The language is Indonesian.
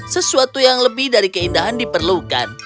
sesuatu yang lebih dari keindahan diperlukan